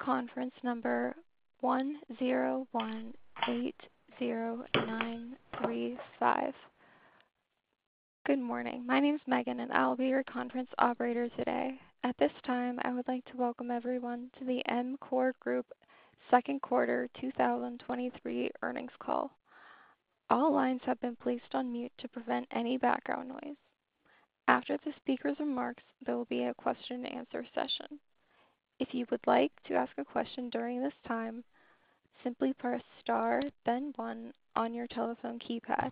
This is conference number 10180935. Good morning. My name is Megan, and I'll be your conference operator today. At this time, I would like to welcome everyone to the EMCOR Group Q2 2023 Earnings Call. All lines have been placed on mute to prevent any background noise. After the speaker's remarks, there will be a question-and-answer session. If you would like to ask a question during this time, simply press star, then one on your telephone keypad.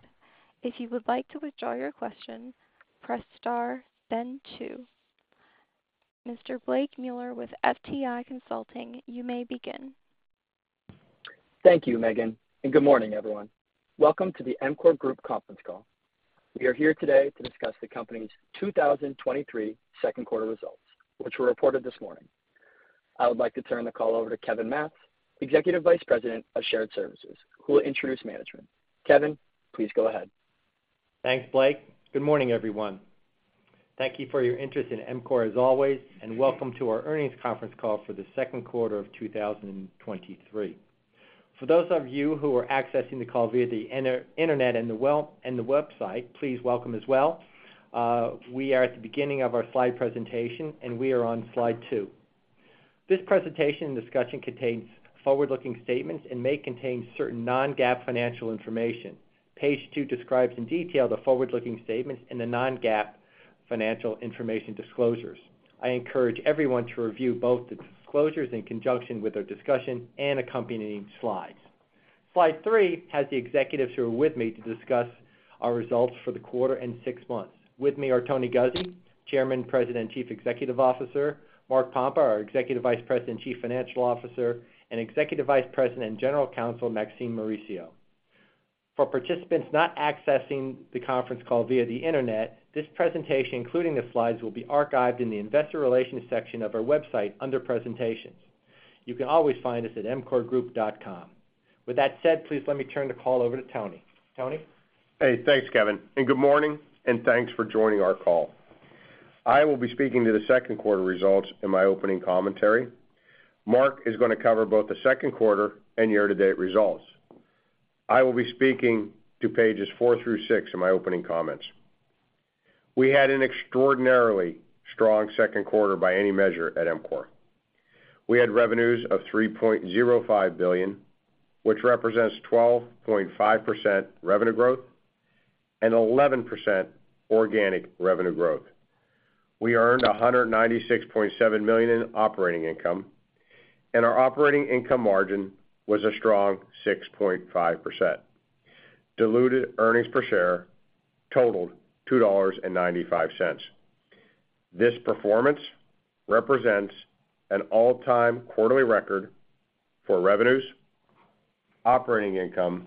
If you would like to withdraw your question, press star, then two. Mr. Blake Mueller with FTI Consulting, you may begin. Thank you, Megan, and good morning, everyone. Welcome to the EMCOR Group Conference Call. We are here today to discuss the company's 2023 Q2 results, which were reported this morning. I would like to turn the call over to Kevin Matz, Executive Vice President of Shared Services, who will introduce management. Kevin, please go ahead. Thanks, Blake. Good morning, everyone. Thank you for your interest in EMCOR, as always, and welcome to our Earnings Conference Call for the Q2 of 2023. For those of you who are accessing the call via the internet and the website, please welcome as well. We are at the beginning of our Slide presentation, and we are on Slide 2. This presentation and discussion contains forward-looking statements and may contain certain non-GAAP financial information. Page 2 describes in detail the forward-looking statements and the non-GAAP financial information disclosures. I encourage everyone to review both the disclosures in conjunction with our discussion and accompanying Slides. Slide 3 has the executives who are with me to discuss our results for the quarter and six months. With me are Tony Guzzi, Chairman, President, and Chief Executive Officer, Mark Pompa, our Executive Vice President and Chief Financial Officer, and Executive Vice President and General Counsel, Maxine Mauricio. For participants not accessing the conference call via the internet, this presentation, including the Slides, will be archived in the Investor Relations section of our website under Presentations. You can always find us at emcorgroup.com. With that said, please let me turn the call over to Tony. Tony? Thanks, Kevin, and good morning, and thanks for joining our call. I will be speaking to the Q2 results in my opening commentary. Mark is going to cover both the Q2 and year-to-date results. I will be speaking to pages 4 through 6 in my opening comments. We had an extraordinarily strong Q2 by any measure at EMCOR. We had revenues of $3.05 billion, which represents 12.5% revenue growth and 11% organic revenue growth. We earned $196.7 million in operating income, and our operating income margin was a strong 6.5%. Diluted earnings per share totaled $2.95. This performance represents an all-time quarterly record for revenues, operating income,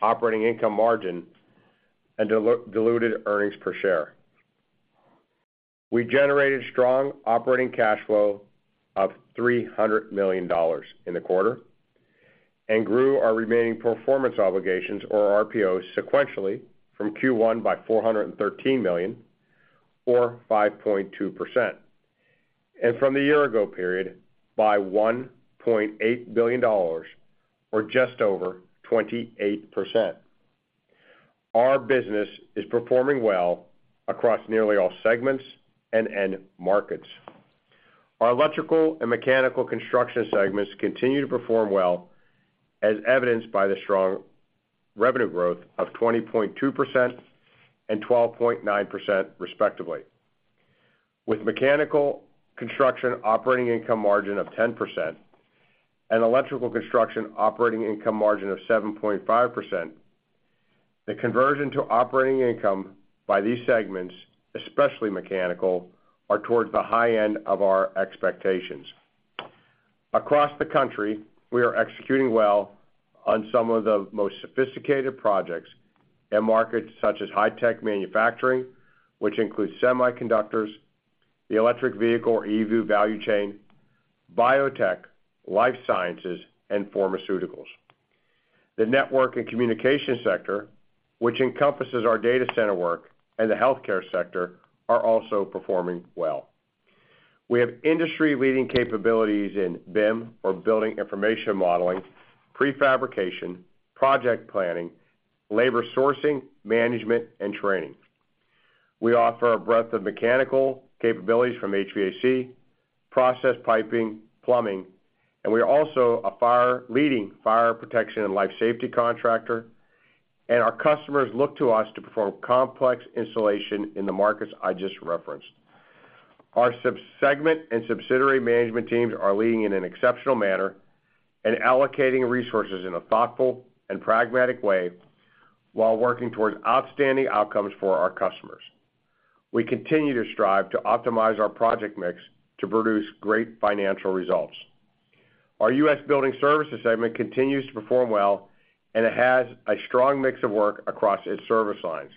operating income margin, and diluted earnings per share. We generated strong operating cash flow of $300 million in the quarter and grew our remaining performance obligations, or RPOs, sequentially from Q1 by $413 million, or 5.2%, and from the year-ago period by $1.8 billion, or just over 28%. Our business is performing well across nearly all segments and end markets. Our electrical and mechanical construction segments continue to perform well, as evidenced by the strong revenue growth of 20.2% and 12.9%, respectively. With mechanical construction operating income margin of 10% and electrical construction operating income margin of 7.5%, the conversion to operating income by these segments, especially mechanical, are towards the high end of our expectations. Across the country, we are executing well on some of the most sophisticated projects in markets such as high-tech manufacturing, which includes semiconductors, the electric vehicle or EV value chain, biotech, life sciences, and pharmaceuticals. The network and communication sector, which encompasses our data center work and the healthcare sector, are also performing well. We have industry-leading capabilities in BIM or building information modeling, prefabrication, project planning, labor sourcing, management, and training. We offer a breadth of mechanical capabilities from HVAC, process piping, plumbing, and we are also a leading fire protection and life safety contractor, and our customers look to us to perform complex installation in the markets I just referenced. Our sub-segment and subsidiary management teams are leading in an exceptional manner and allocating resources in a thoughtful and pragmatic way while working towards outstanding outcomes for our customers. We continue to strive to optimize our project mix to produce great financial results. Our U.S. Building Services segment continues to perform well, and it has a strong mix of work across its service lines.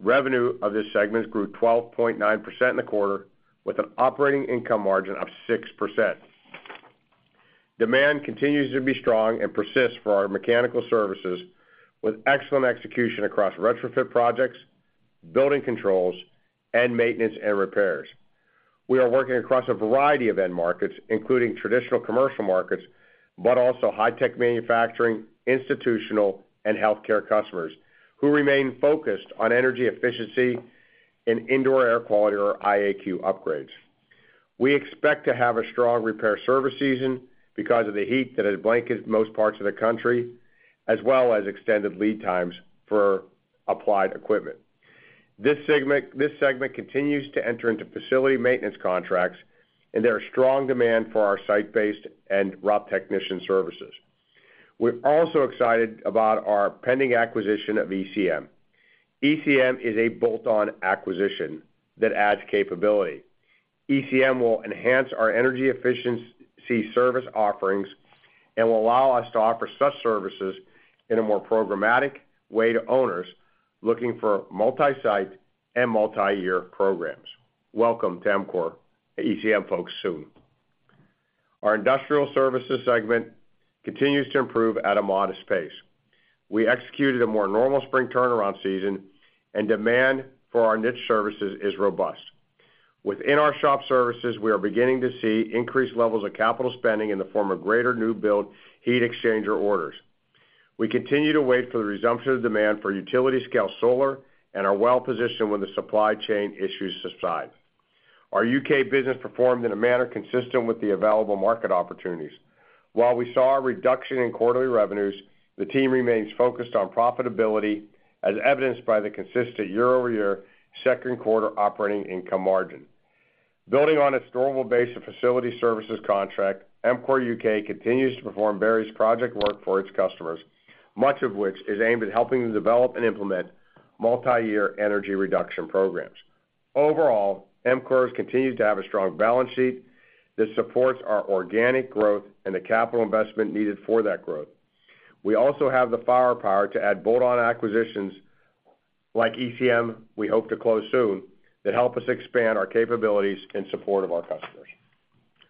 Revenue of this segment grew 12.9% in the quarter, with an operating income margin of 6%. Demand continues to be strong and persists for our mechanical services, with excellent execution across retrofit projects, building controls, and maintenance and repairs. We are working across a variety of end markets, including traditional commercial markets, but also high-tech manufacturing, institutional, and healthcare customers, who remain focused on energy efficiency and indoor air quality, or IAQ, upgrades. We expect to have a strong repair service season because of the heat that has blanketed most parts of the country, as well as extended lead times for applied equipment. This segment continues to enter into facility maintenance contracts, there are strong demand for our site-based and route technician services. We're also excited about our pending acquisition of ECM. ECM is a bolt-on acquisition that adds capability. ECM will enhance our energy efficiency service offerings and will allow us to offer such services in a more programmatic way to owners looking for multi-site and multiyear programs. Welcome to EMCOR, ECM folks, soon. Our Industrial Services segment continues to improve at a modest pace. We executed a more normal spring turnaround season, demand for our niche services is robust. Within our shop services, we are beginning to see increased levels of capital spending in the form of greater new build heat exchanger orders. We continue to wait for the resumption of demand for utility scale solar and are well positioned when the supply chain issues subside. Our UK business performed in a manner consistent with the available market opportunities. While we saw a reduction in quarterly revenues, the team remains focused on profitability, as evidenced by the consistent year-over-year Q2 operating income margin. Building on its durable base of facility services contract, EMCOR UK continues to perform various project work for its customers, much of which is aimed at helping them develop and implement multiyear energy reduction programs. Overall, EMCOR continues to have a strong balance sheet that supports our organic growth and the capital investment needed for that growth. We also have the firepower to add bolt-on acquisitions, like ECM, we hope to close soon to help us expand our capabilities in support of our customers.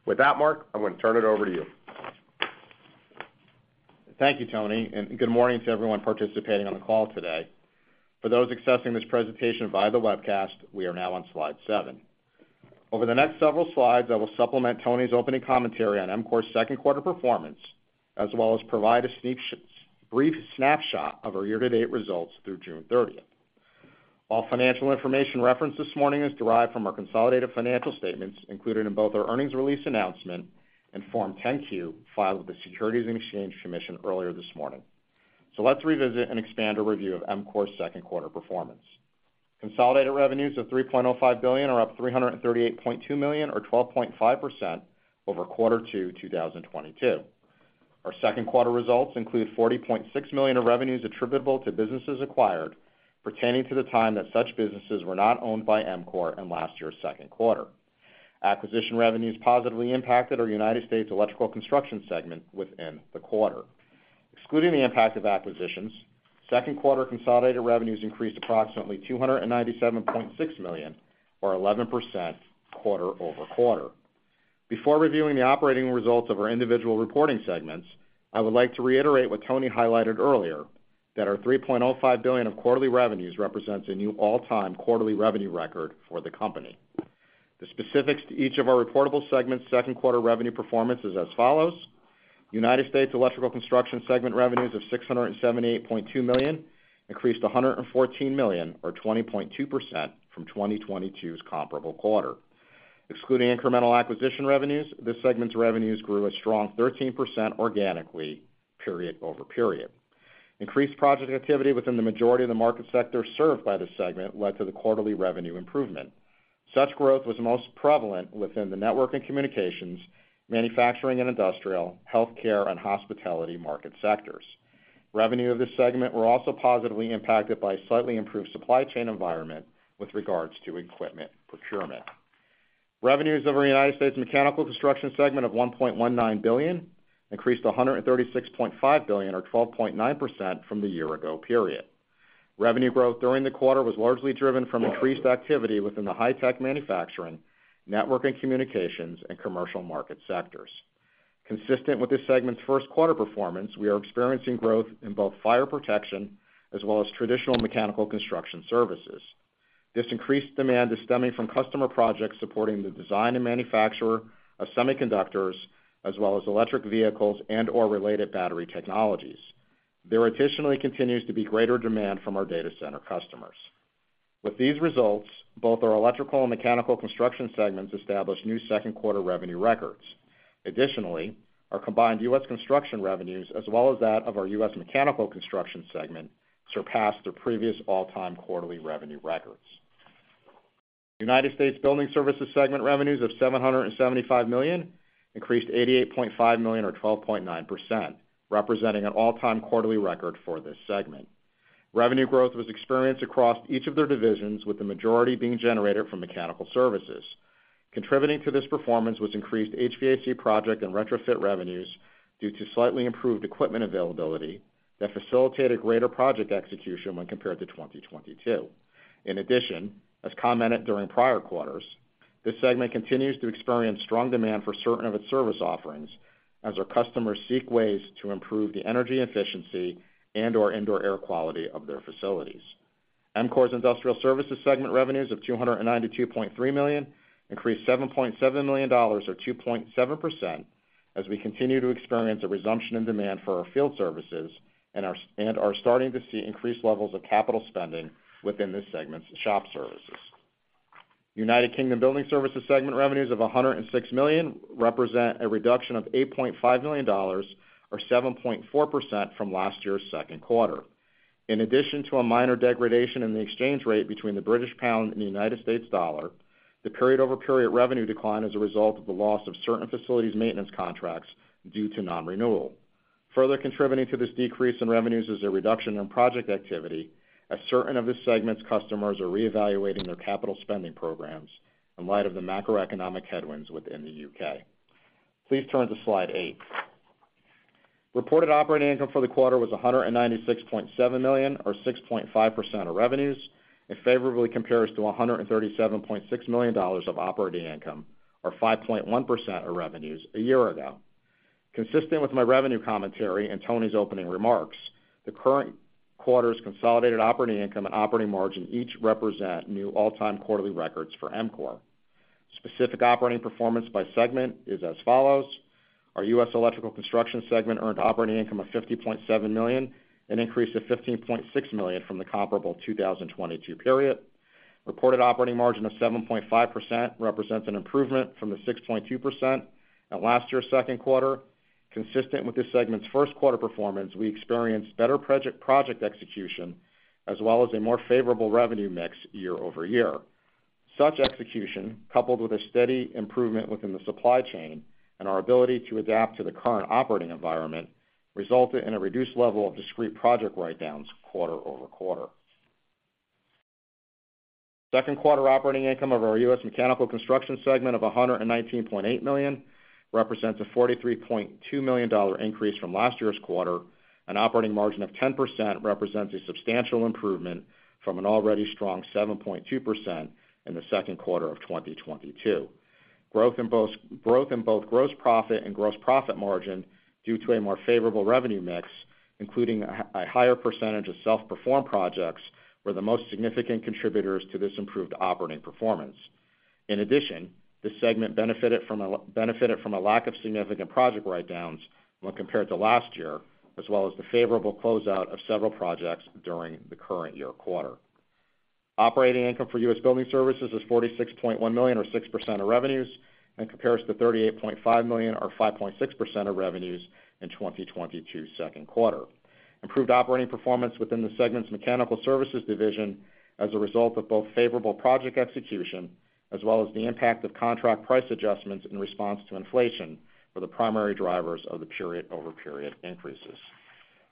With that, Mark, I'm going to turn it over to you. Thank you, Tony, good morning to everyone participating on the call today. For those accessing this presentation via the webcast, we are now on Slide 7. Over the next several slides, I will supplement Tony's opening commentary on EMCOR's Q2 performance, as well as provide a brief snapshot of our year-to-date results through June 30th. All financial information referenced this morning is derived from our consolidated financial statements, included in both our Earnings Release announcement and Form 10-Q, filed with the Securities and Exchange Commission earlier this morning. Let's revisit and expand a review of EMCOR's Q2 performance. Consolidated revenues of $3.05 billion are up $338.2 million, or 12.5%, over Q2 2022. Our Q2 results include $40.6 million of revenues attributable to businesses acquired, pertaining to the time that such businesses were not owned by EMCOR in last year's Q2. Acquisition revenues positively impacted our United States Electrical Construction segment within the quarter. Excluding the impact of acquisitions, Q2 consolidated revenues increased approximately $297.6 million, or 11%, quarter-over-quarter. Before reviewing the operating results of our individual reporting segments, I would like to reiterate what Tony highlighted earlier, that our $3.05 billion of quarterly revenues represents a new all-time quarterly revenue record for the company. The specifics to each of our reportable segments' Q2 revenue performance is as follows: United States Electrical Construction segment revenues of $678.2 million increased $114 million, or 20.2%, from 2022's comparable quarter. Excluding incremental acquisition revenues, this segment's revenues grew a strong 13% organically, period-over-period. Increased project activity within the majority of the market sectors served by this segment led to the quarterly revenue improvement. Such growth was most prevalent within the network and communications, manufacturing and industrial, healthcare, and hospitality market sectors. Revenue of this segment were also positively impacted by a slightly improved supply chain environment with regards to equipment procurement. Revenues of our United States Mechanical Construction segment of $1.19 billion increased to $136.5 million, or 12.9%, from the year ago period. Revenue growth during the quarter was largely driven from increased activity within the high-tech manufacturing, network and communications, and commercial market sectors. Consistent with this segment's Q1 performance, we are experiencing growth in both fire protection as well as traditional mechanical construction services. This increased demand is stemming from customer projects supporting the design and manufacture of semiconductors, as well as electric vehicles and/or related battery technologies. There additionally continues to be greater demand from our data center customers. With these results, both our electrical and mechanical construction segments established new Q2 revenue records. Additionally, our combined U.S. construction revenues, as well as that of our U.S. Mechanical Construction segment, surpassed their previous all-time quarterly revenue records. United States Building Services segment revenues of $775 million increased $88.5 million, or 12.9%, representing an all-time quarterly record for this segment. Revenue growth was experienced across each of their divisions, with the majority being generated from mechanical services. Contributing to this performance was increased HVAC project and retrofit revenues due to slightly improved equipment availability that facilitated greater project execution when compared to 2022. In addition, as commented during prior quarters, this segment continues to experience strong demand for certain of its service offerings as our customers seek ways to improve the energy efficiency and or indoor air quality of their facilities. EMCOR's Industrial Services segment revenues of $292.3 million increased $7.7 million, or 2.7%, as we continue to experience a resumption in demand for our field services and are starting to see increased levels of capital spending within this segment's shop services. United Kingdom Building Services segment revenues of $106 million represent a reduction of $8.5 million, or 7.4%, from last year's Q2. In addition to a minor degradation in the exchange rate between the British pound and the United States dollar, the period-over-period revenue decline is a result of the loss of certain facilities maintenance contracts due to non-renewal. Further contributing to this decrease in revenues is a reduction in project activity, as certain of this segment's customers are reevaluating their capital spending programs in light of the macroeconomic headwinds within the U.K. Please turn to Slide 8. Reported operating income for the quarter was $196.7 million, or 6.5% of revenues. It favorably compares to $137.6 million of operating income, or 5.1% of revenues, a year ago. Consistent with my revenue commentary and Tony's opening remarks, the current quarter's consolidated operating income and operating margin each represent new all-time quarterly records for EMCOR. Specific operating performance by segment is as follows: Our U.S. Electrical Construction segment earned operating income of $50.7 million, an increase of $15.6 million from the comparable 2022 period. Reported operating margin of 7.5% represents an improvement from the 6.2% in last year's Q2. Consistent with this segment's Q1 performance, we experienced better project execution, as well as a more favorable revenue mix year-over-year. Such execution, coupled with a steady improvement within the supply chain and our ability to adapt to the current operating environment, resulted in a reduced level of discrete project write-downs quarter-over-quarter. Q2 operating income of our U.S. Mechanical Construction segment of $119.8 million, represents a $43.2 million increase from last year's quarter, an operating margin of 10% represents a substantial improvement from an already strong 7.2% in the Q2 of 2022. Growth in both gross profit and gross profit margin due to a more favorable revenue mix, including a higher percentage of self-performed projects, were the most significant contributors to this improved operating performance. In addition, this segment benefited from a lack of significant project write-downs when compared to last year, as well as the favorable closeout of several projects during the current year quarter. Operating income for U.S. Building Services is $46.1 million, or 6% of revenues, and compares to $38.5 million, or 5.6% of revenues, in 2022 Q2. Improved operating performance within the segment's mechanical services division as a result of both favorable project execution, as well as the impact of contract price adjustments in response to inflation, were the primary drivers of the period-over-period increases.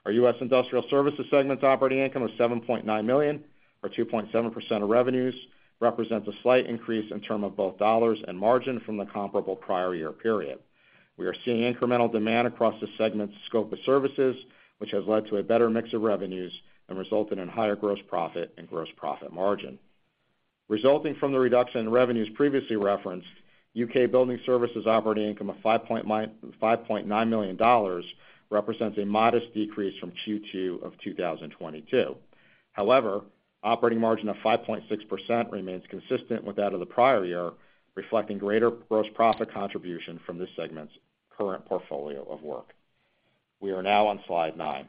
Our U.S. Industrial Services segment's operating income of $7.9 million, or 2.7% of revenues, represents a slight increase in term of both dollars and margin from the comparable prior year period. We are seeing incremental demand across the segment's scope of services, which has led to a better mix of revenues and resulted in higher gross profit and gross profit margin. Resulting from the reduction in revenues previously referenced, UK Building Services operating income of $5.9 million represents a modest decrease from Q2 of 2022. Operating margin of 5.6% remains consistent with that of the prior year, reflecting greater gross profit contribution from this segment's current portfolio of work. We are now on Slide 9.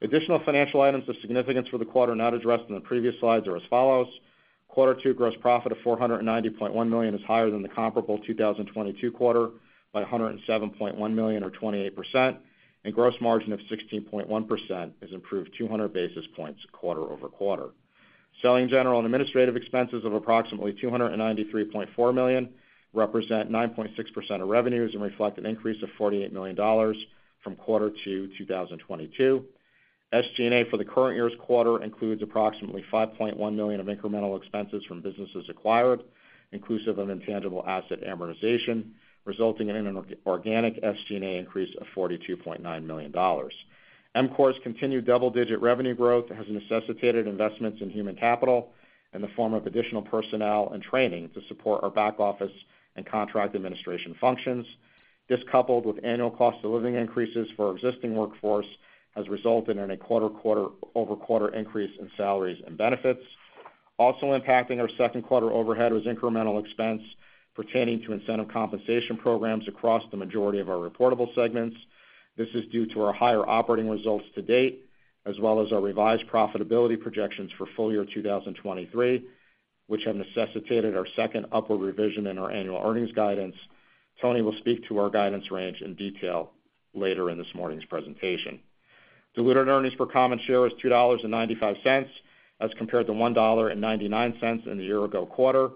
Additional financial items of significance for the quarter not addressed in the previous slides are as follows: 2Q gross profit of $490.1 million is higher than the comparable 2022 quarter by $107.1 million, or 28%, and gross margin of 16.1% has improved 200 basis points quarter-over-quarter. Selling, general, and administrative expenses of approximately $293.4 million represent 9.6% of revenues and reflect an increase of $48 million from quarter to 2022. SG&A for the current year's quarter includes approximately $5.1 million of incremental expenses from businesses acquired, inclusive of intangible asset amortization, resulting in an organic SG&A increase of $42.9 million. EMCOR's continued double-digit revenue growth has necessitated investments in human capital in the form of additional personnel and training to support our back office and contract administration functions. This, coupled with annual cost of living increases for our existing workforce, has resulted in a quarter-over-quarter increase in salaries and benefits. Also impacting our Q2 overhead was incremental expense pertaining to incentive compensation programs across the majority of our reportable segments. This is due to our higher operating results to date, as well as our revised profitability projections for full year 2023, which have necessitated our second upward revision in our annual earnings guidance. Tony will speak to our guidance range in detail later in this morning's presentation. Diluted earnings per common share is $2.95, as compared to $1.99 in the year-ago quarter.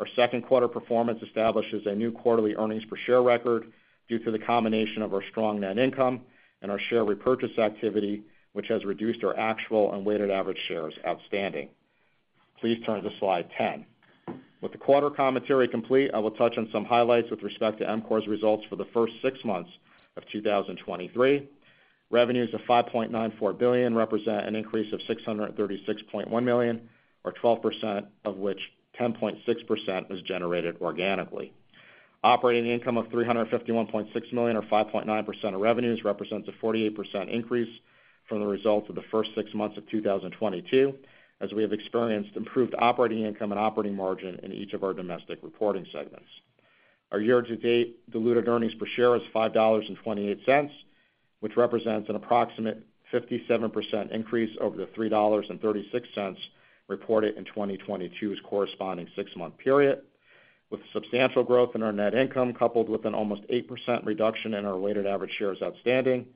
Our Q2 performance establishes a new quarterly earnings per share record due to the combination of our strong net income and our share repurchase activity, which has reduced our actual and weighted average shares outstanding. Please turn to Slide 10. With the quarter commentary complete, I will touch on some highlights with respect to EMCOR's results for the first six months of 2023. Revenues of $5.94 billion represent an increase of $636.1 million, or 12%, of which 10.6% was generated organically. Operating income of $351.6 million, or 5.9% of revenues, represents a 48% increase from the results of the first six months of 2022, as we have experienced improved operating income and operating margin in each of our domestic reporting segments. Our year-to-date diluted earnings per share is $5.28, which represents an approximate 57% increase over the $3.36 reported in 2022's corresponding six-month period. With substantial growth in our net income, coupled with an almost 8% reduction in our weighted average shares outstanding,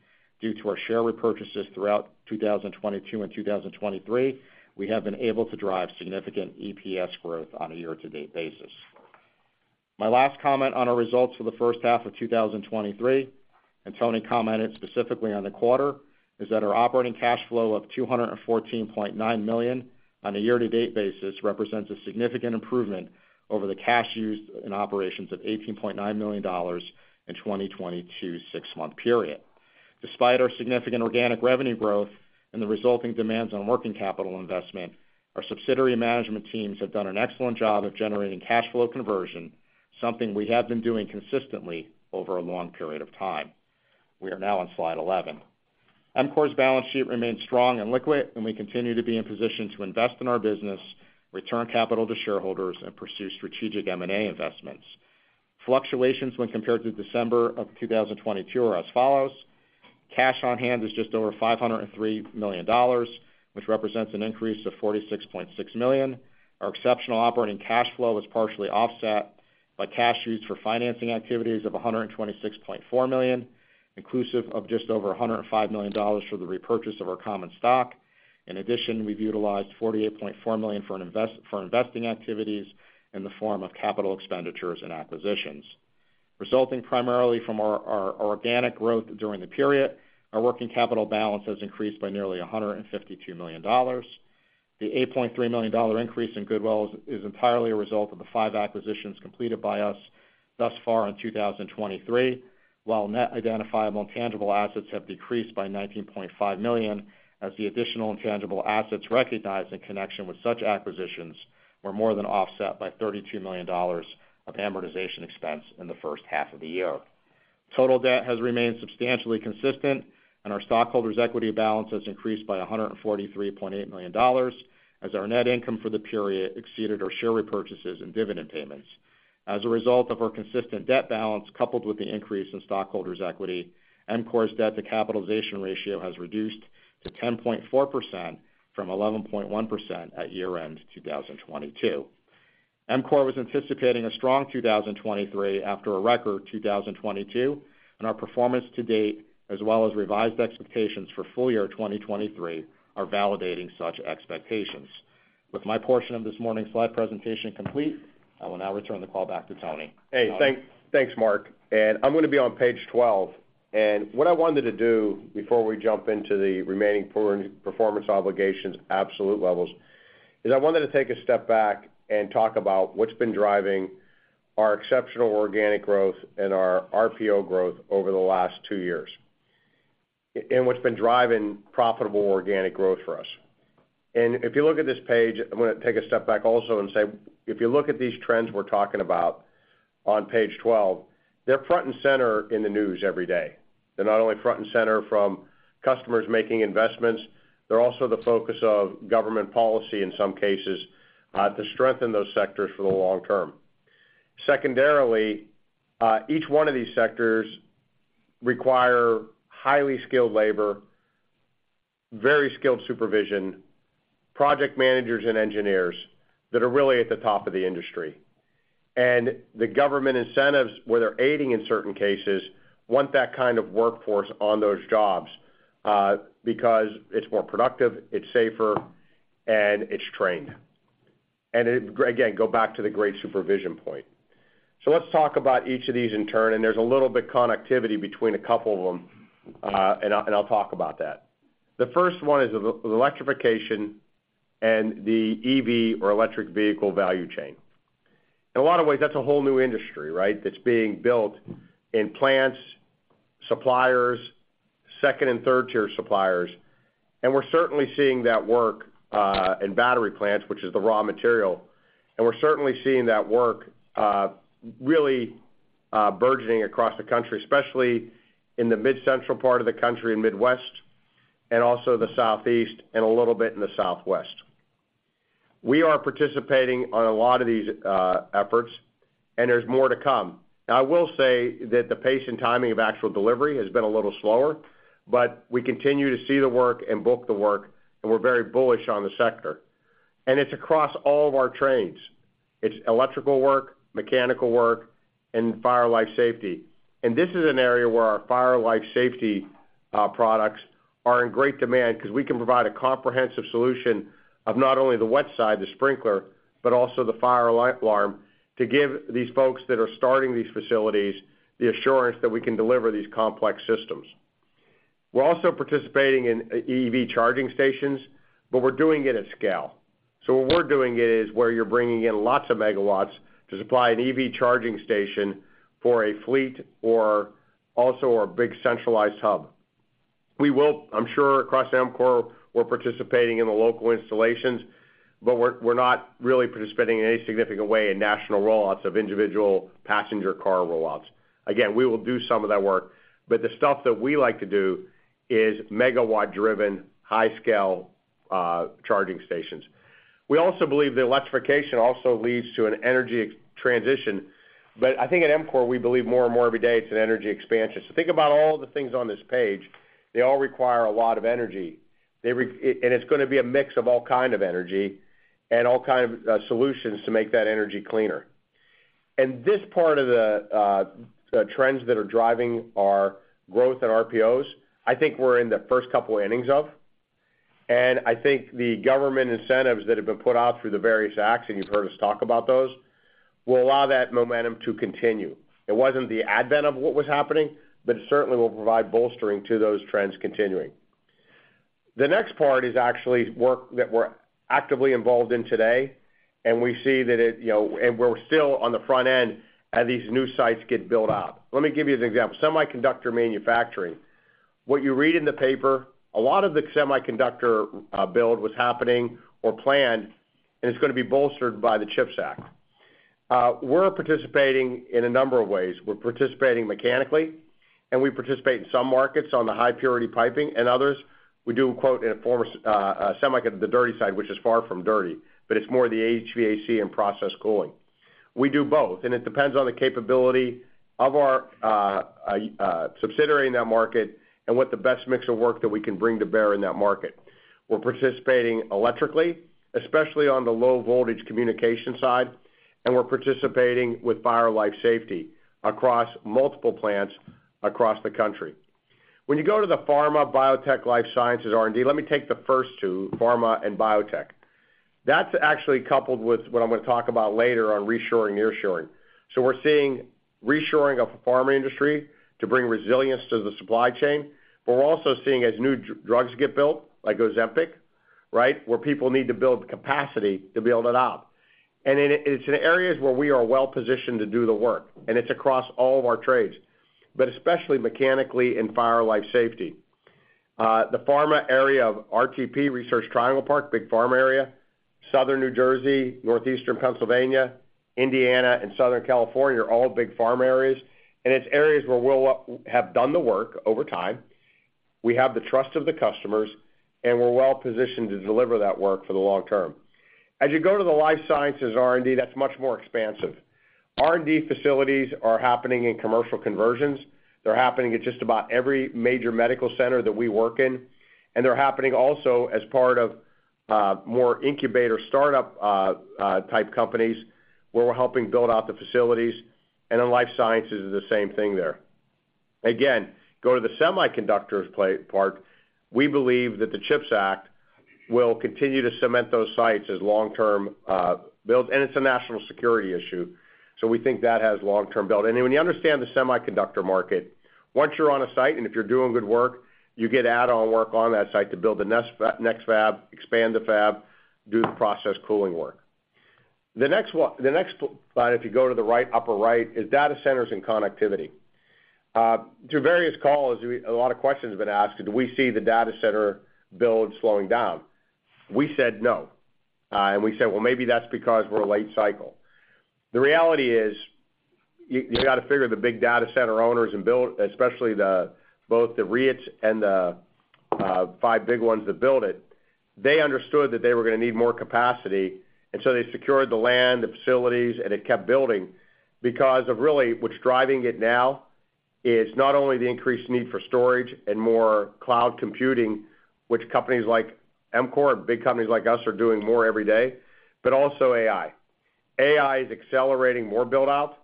due to our share repurchases throughout 2022 and 2023, we have been able to drive significant EPS growth on a year-to-date basis. My last comment on our results for the first half of 2023, and Tony commented specifically on the quarter, is that our operating cash flow of $214.9 million on a year-to-date basis represents a significant improvement over the cash used in operations of $18.9 million in 2022's six-month period. Despite our significant organic revenue growth and the resulting demands on working capital investment, our subsidiary management teams have done an excellent job of generating cash flow conversion, something we have been doing consistently over a long period of time. We are now on Slide 11. EMCOR's balance sheet remains strong and liquid, and we continue to be in position to invest in our business, return capital to shareholders, and pursue strategic M&A investments. Fluctuations when compared to December 2022 are as follows: cash on hand is just over $503 million, which represents an increase of $46.6 million. Our exceptional operating cash flow was partially offset by cash used for financing activities of $126.4 million, inclusive of just over $105 million for the repurchase of our common stock. In addition, we've utilized $48.4 million for investing activities in the form of capital expenditures and acquisitions. Resulting primarily from our organic growth during the period, our working capital balance has increased by nearly $152 million. The $8.3 million increase in goodwill is entirely a result of the five acquisitions completed by us thus far in 2023, while net identifiable and tangible assets have decreased by $19.5 million, as the additional intangible assets recognized in connection with such acquisitions were more than offset by $32 million of amortization expense in the first half of the year. Total debt has remained substantially consistent, and our stockholders' equity balance has increased by $143.8 million, as our net income for the period exceeded our share repurchases and dividend payments. As a result of our consistent debt balance, coupled with the increase in stockholders' equity, EMCOR's debt to capitalization ratio has reduced to 10.4% from 11.1% at year-end 2022. EMCOR was anticipating a strong 2023 after a record 2022, and our performance to date, as well as revised expectations for full year 2023, are validating such expectations. With my portion of this morning's slide presentation complete, I will now return the call back to Tony. Hey, thanks. Thanks, Mark. I'm gonna be on page 12. What I wanted to do before we jump into the remaining performance obligations, absolute levels, is I wanted to take a step back and talk about what's been driving our exceptional organic growth and our RPO growth over the last 2 years, and what's been driving profitable organic growth for us. If you look at this page, I'm gonna take a step back also and say, if you look at these trends we're talking about on page 12, they're front and center in the news every day. They're not only front and center from customers making investments, they're also the focus of government policy in some cases, to strengthen those sectors for the long term. Secondarily, each one of these sectors require highly skilled labor, very skilled supervision, project managers and engineers that are really at the top of the industry. The government incentives, where they're aiding in certain cases, want that kind of workforce on those jobs, because it's more productive, it's safer, and it's trained. Again, go back to the great supervision point. Let's talk about each of these in turn, and there's a little bit connectivity between a couple of them, and I, and I'll talk about that. The first one is the, the electrification and the EV, or electric vehicle, value chain. In a lot of ways, that's a whole new industry, right? That's being built in plants, suppliers, second and third-tier suppliers, and we're certainly seeing that work, in battery plants, which is the raw material. We're certainly seeing that work, really burgeoning across the country, especially in the mid-central part of the country, in Midwest, and also the Southeast, and a little bit in the Southwest. We are participating on a lot of these efforts, and there's more to come. Now, I will say that the pace and timing of actual delivery has been a little slower, but we continue to see the work and book the work, and we're very bullish on the sector. It's across all of our trades. It's electrical work, mechanical work, and fire life safety. This is an area where our fire and life safety, products are in great demand because we can provide a comprehensive solution of not only the wet side, the sprinkler, but also the fire life alarm to give these folks that are starting these facilities the assurance that we can deliver these complex systems. We're also participating in, EV charging stations, but we're doing it at scale. What we're doing is where you're bringing in lots of megawatts to supply an EV charging station for a fleet or also our big centralized hub. We will, I'm sure, across EMCOR, we're participating in the local installations, but we're not really participating in any significant way in national rollouts of individual passenger car rollouts. We will do some of that work, but the stuff that we like to do is megawatt-driven, high-scale, charging stations. We also believe that electrification also leads to an energy transition. I think at EMCOR, we believe more and more every day, it's an energy expansion. Think about all the things on this page. They all require a lot of energy. It's gonna be a mix of all kind of energy and all kind of solutions to make that energy cleaner. This part of the trends that are driving our growth and RPOs, I think we're in the first couple innings of. I think the government incentives that have been put out through the various acts, and you've heard us talk about those, will allow that momentum to continue. It wasn't the advent of what was happening. It certainly will provide bolstering to those trends continuing. The next part is actually work that we're actively involved in today, and we see that it, you know, and we're still on the front end as these new sites get built out. Let me give you an example. Semiconductor manufacturing. What you read in the paper, a lot of the semiconductor, build was happening or planned, and it's gonna be bolstered by the CHIPS Act. We're participating in a number of ways. We're participating mechanically, and we participate in some markets on the high purity piping and others. We do quote in a form of, semiconductor, the dirty side, which is far from dirty, but it's more the HVAC and process cooling. We do both, and it depends on the capability of our, subsidiary in that market and what the best mix of work that we can bring to bear in that market. We're participating electrically, especially on the low voltage communication side, and we're participating with fire life safety across multiple plants across the country. When you go to the pharma, biotech, life sciences, R&D, let me take the first two, pharma and biotech. That's actually coupled with what I'm gonna talk about later on reshoring, nearshoring. We're seeing reshoring of the pharma industry to bring resilience to the supply chain, but we're also seeing as new drugs get built, like Ozempic, right? Where people need to build capacity to build it out. It's in areas where we are well-positioned to do the work, and it's across all of our trades, but especially mechanically in fire life safety. The pharma area of RTP, Research Triangle Park, big pharma area, Southern New Jersey, Northeastern Pennsylvania, Indiana, and Southern California are all big pharma areas. It's areas where we'll have done the work over time. We have the trust of the customers, and we're well-positioned to deliver that work for the long term. As you go to the life sciences R&D, that's much more expansive. R&D facilities are happening in commercial conversions. They're happening at just about every major medical center that we work in. They're happening also as part of more incubator startup type companies, where we're helping build out the facilities. In life sciences is the same thing there. Go to the semiconductors part, we believe that the CHIPS Act will continue to cement those sites as long-term build, and it's a national security issue, so we think that has long-term build. When you understand the semiconductor market, once you're on a site, and if you're doing good work, you get add-on work on that site to build the next fab, expand the fab, do the process cooling work. The next slide, if you go to the right, upper right, is data centers and connectivity. Through various calls, a lot of questions have been asked, do we see the data center build slowing down? We said, "No." We said, "Well, maybe that's because we're a late cycle." The reality is, you gotta figure the big data center owners and build, especially both the REITs and the 5 big ones that build it, they understood that they were gonna need more capacity, and so they secured the land, the facilities, and it kept building because of really, what's driving it now is not only the increased need for storage and more cloud computing, which companies like EMCOR, big companies like us, are doing more every day, but also AI. AI is accelerating more build-out,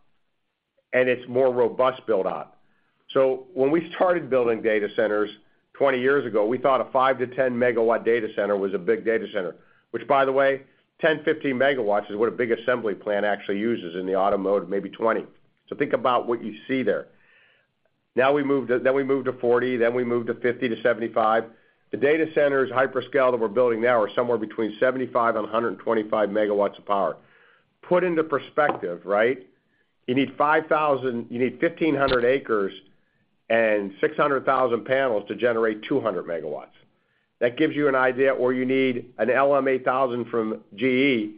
and it's more robust build-out. When we started building data centers 20 years ago, we thought a 5-10 megawatt data center was a big data center, which, by the way, 10, 15 megawatts is what a big assembly plant actually uses in the automotive, maybe 20. Think about what you see there. Now, then we moved to 40, then we moved to 50-75. The data centers, hyperscale, that we're building now are somewhere between 75 and 125 megawatts of power. Put into perspective, right? You need 1,500 acres and 600,000 panels to generate 200 megawatts. That gives you an idea where you need an LM8000 from GE.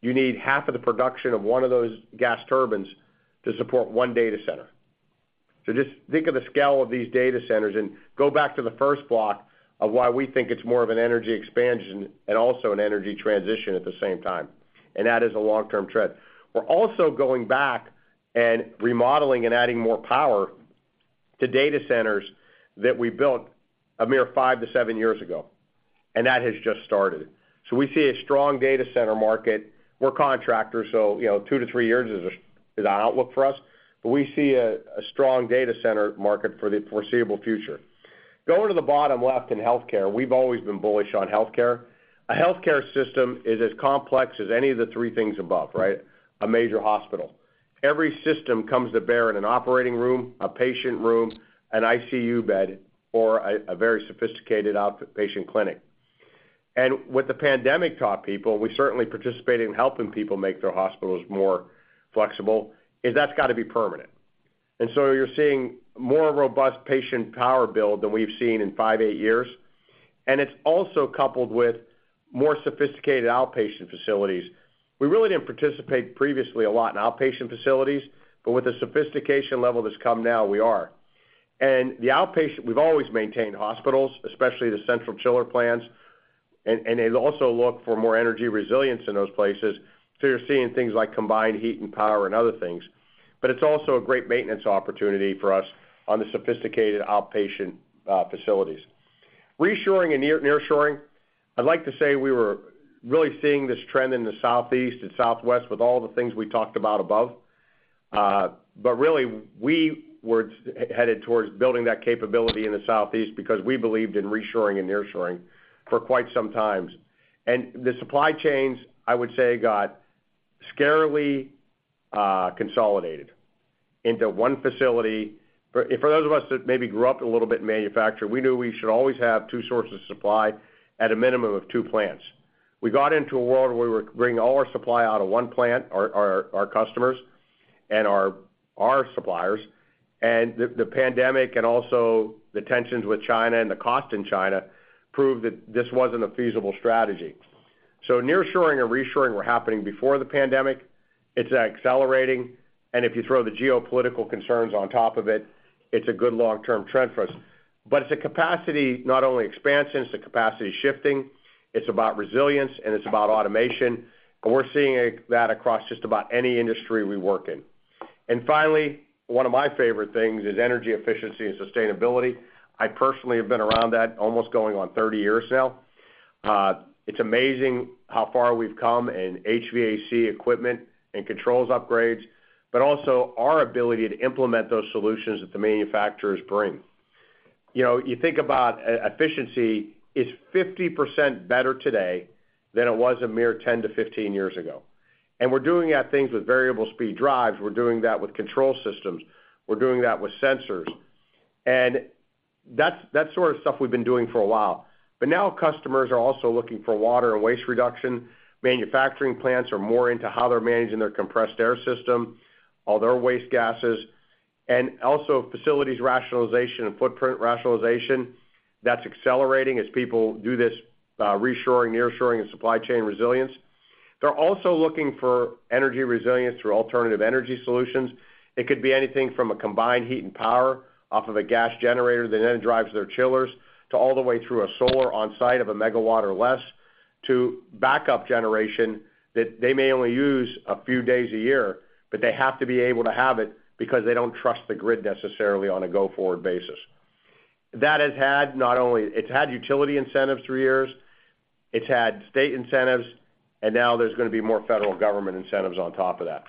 You need half of the production of one of those gas turbines to support one data center. Just think of the scale of these data centers and go back to the first block of why we think it's more of an energy expansion and also an energy transition at the same time, and that is a long-term trend. We're also going back and remodeling and adding more power to data centers that we built a mere five to seven years ago, and that has just started. We see a strong data center market. We're contractors, so, you know, two to three years is our outlook for us, but we see a strong data center market for the foreseeable future. Going to the bottom left, in healthcare, we've always been bullish on healthcare. A healthcare system is as complex as any of the three things above, right? A major hospital.... Every system comes to bear in an operating room, a patient room, an ICU bed, or a very sophisticated outpatient clinic. What the pandemic taught people, we certainly participated in helping people make their hospitals more flexible, is that's got to be permanent. You're seeing more robust patient power build than we've seen in five, eight years, and it's also coupled with more sophisticated outpatient facilities. We really didn't participate previously a lot in outpatient facilities, but with the sophistication level that's come now, we are. The outpatient, we've always maintained hospitals, especially the central chiller plants, and they'll also look for more energy resilience in those places. You're seeing things like combined heat and power and other things, but it's also a great maintenance opportunity for us on the sophisticated outpatient facilities. Reshoring and nearshoring, I'd like to say we were really seeing this trend in the Southeast and Southwest with all the things we talked about above. Really, we were headed towards building that capability in the Southeast because we believed in reshoring and nearshoring for quite some times. The supply chains, I would say, got scarily consolidated into one facility. For those of us that maybe grew up a little bit in manufacturing, we knew we should always have two sources of supply at a minimum of two plants. We got into a world where we were bringing all our supply out of one plant, our customers and our suppliers, and the pandemic and also the tensions with China and the cost in China proved that this wasn't a feasible strategy. Nearshoring and reshoring were happening before the pandemic. It's accelerating, and if you throw the geopolitical concerns on top of it, it's a good long-term trend for us. It's a capacity, not only expansion, it's a capacity shifting, it's about resilience, and it's about automation, and we're seeing that across just about any industry we work in. Finally, one of my favorite things is energy efficiency and sustainability. I personally have been around that almost going on 30 years now. It's amazing how far we've come in HVAC equipment and controls upgrades, but also our ability to implement those solutions that the manufacturers bring. You know, you think about efficiency is 50% better today than it was a mere 10 to 15 years ago. We're doing that things with variable speed drives, we're doing that with control systems, we're doing that with sensors. That's the sort of stuff we've been doing for a while. Now customers are also looking for water and waste reduction. Manufacturing plants are more into how they're managing their compressed air system, all their waste gases, and also facilities rationalization and footprint rationalization. That's accelerating as people do this, reshoring, nearshoring and supply chain resilience. They're also looking for energy resilience through alternative energy solutions. It could be anything from a combined heat and power off of a gas generator that then drives their chillers, to all the way through a solar on site of a megawatt or less, to backup generation that they may only use a few days a year, but they have to be able to have it because they don't trust the grid necessarily on a go-forward basis. That has had not only it's had utility incentives through years, it's had state incentives, now there's gonna be more federal government incentives on top of that.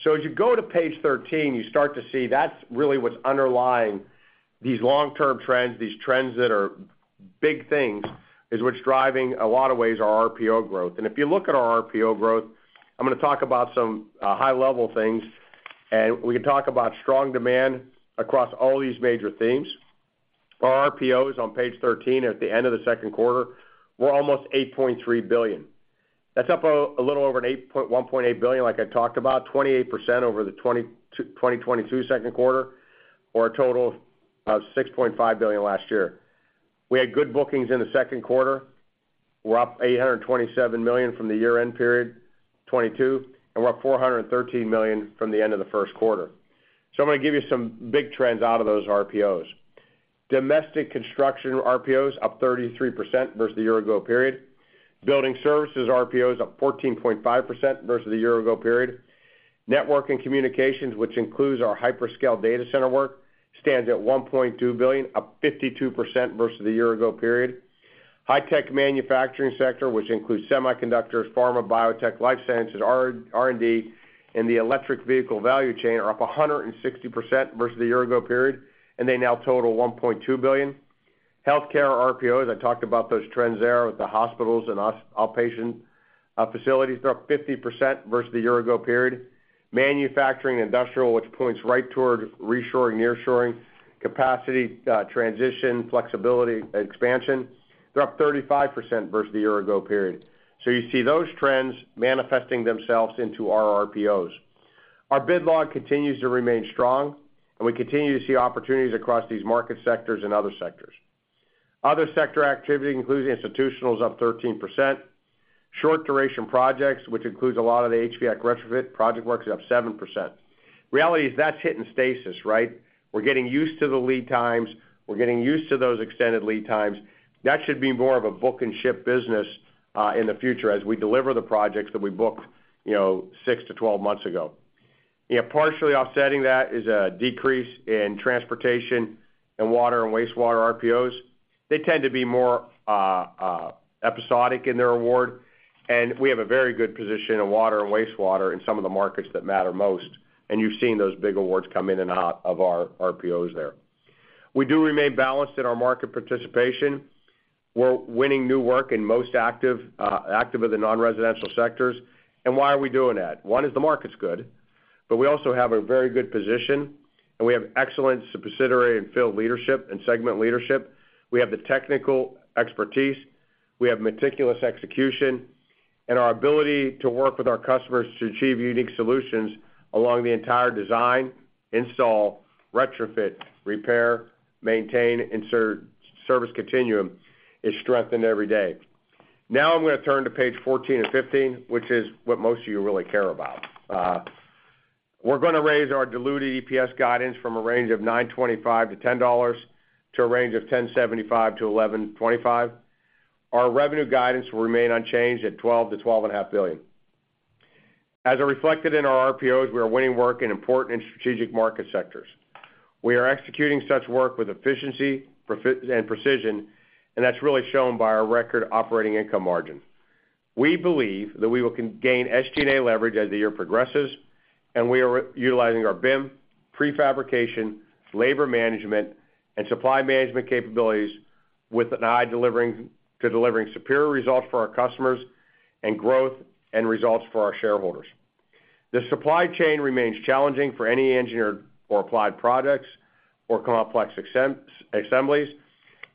As you go to page 13, you start to see that's really what's underlying these long-term trends, these trends that are big things, is what's driving, a lot of ways, our RPO growth. If you look at our RPO growth, I'm gonna talk about some high-level things, we can talk about strong demand across all these major themes. Our RPOs on page 13, at the end of the Q2, were almost $8.3 billion. That's up a little over $1.8 billion, like I talked about, 28% over the 2022 Q2, or a total of $6.5 billion last year. We had good bookings in the Q2. We're up $827 million from the year-end period, 2022, and we're up $413 million from the end of the Q1. I'm gonna give you some big trends out of those RPOs. Domestic construction RPOs up 33% versus the year ago period. Building services RPOs up 14.5% versus the year ago period. Network and communications, which includes our hyperscale data center work, stands at $1.2 billion, up 52% versus the year ago period. High-tech manufacturing sector, which includes semiconductors, pharma, biotech, life sciences, R&D, and the electric vehicle value chain, are up 160% versus the year ago period, and they now total $1.2 billion. Healthcare RPO, as I talked about those trends there with the hospitals and U.S. outpatient facilities, they're up 50% versus the year ago period. Manufacturing and industrial, which points right toward reshoring, nearshoring, capacity, transition, flexibility, expansion, they're up 35% versus the year ago period. You see those trends manifesting themselves into our RPOs. Our bid log continues to remain strong, and we continue to see opportunities across these market sectors and other sectors. Other sector activity, including institutional, is up 13%. Short-duration projects, which includes a lot of the HVAC retrofit project work, is up 7%. Reality is that's hitting stasis, right? We're getting used to the lead times. We're getting used to those extended lead times. That should be more of a book and ship business in the future as we deliver the projects that we booked, you know, 6-12 months ago. You know, partially offsetting that is a decrease in transportation and water and wastewater RPOs. They tend to be more episodic in their award. We have a very good position in water and wastewater in some of the markets that matter most. You've seen those big awards come in and out of our RPOs there. We do remain balanced in our market participation. We're winning new work in most active of the non-residential sectors. Why are we doing that? One, is the market's good. We also have a very good position. We have excellent subsidiary and field leadership and segment leadership. We have the technical expertise, we have meticulous execution, and our ability to work with our customers to achieve unique solutions along the entire design, install, retrofit, repair, maintain, insert, service continuum is strengthened every day. Now I'm gonna turn to page 14 and 15, which is what most of you really care about. We're gonna raise our diluted EPS guidance from a range of $9.25-$10, to a range of $10.75-$11.25. Our revenue guidance will remain unchanged at $12 billion-$12.5 billion. As reflected in our RPOs, we are winning work in important and strategic market sectors. We are executing such work with efficiency, and precision, That's really shown by our record operating income margin. We believe that we will gain SG&A leverage as the year progresses, and we are utilizing our BIM, prefabrication, labor management, and supply management capabilities with an eye to delivering superior results for our customers, and growth and results for our shareholders. The supply chain remains challenging for any engineered or applied products or complex assemblies,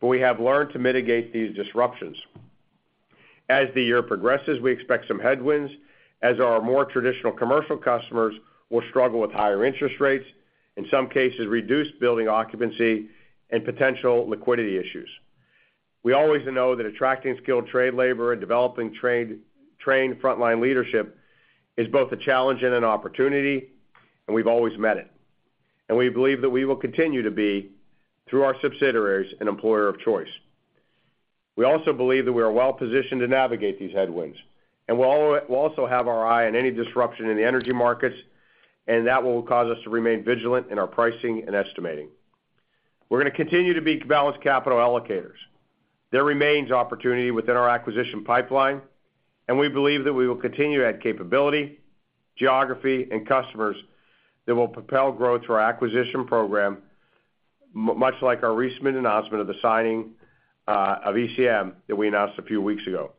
but we have learned to mitigate these disruptions. As the year progresses, we expect some headwinds, as our more traditional commercial customers will struggle with higher interest rates, in some cases, reduced building occupancy and potential liquidity issues. We always know that attracting skilled trade labor and developing trained frontline leadership is both a challenge and an opportunity, and we've always met it. We believe that we will continue to be, through our subsidiaries, an employer of choice. We also believe that we are well positioned to navigate these headwinds, and we'll also have our eye on any disruption in the energy markets, and that will cause us to remain vigilant in our pricing and estimating. We're gonna continue to be balanced capital allocators. There remains opportunity within our acquisition pipeline, and we believe that we will continue to add capability, geography, and customers that will propel growth through our acquisition program, much like our recent announcement of the signing of ECM that we announced a few weeks ago.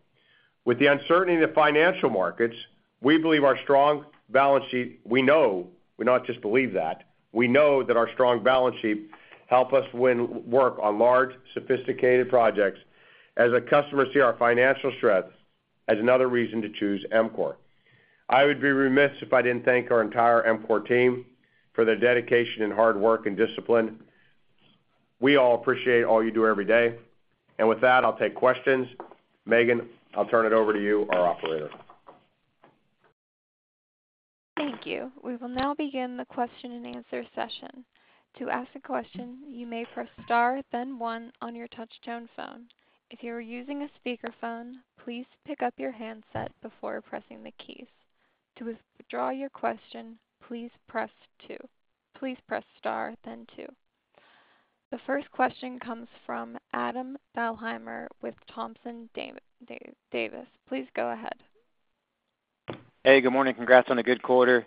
With the uncertainty in the financial markets, we believe our strong balance sheet. We know, we not just believe that, we know that our strong balance sheet help us win work on large, sophisticated projects, as our customers see our financial strength as another reason to choose EMCOR. I would be remiss if I didn't thank our entire EMCOR team for their dedication, and hard work, and discipline. We all appreciate all you do every day. With that, I'll take questions. Megan, I'll turn it over to you, our operator. Thank you. We will now begin the question-and-answer session. To ask a question, you may press star, then one on your touch-tone phone. If you are using a speakerphone, please pick up your handset before pressing the keys. To withdraw your question, please press two. Please press star, then two. The first question comes from Adam Thalhimer with Thompson Davis. Please go ahead. Hey, good morning. Congrats on a good quarter.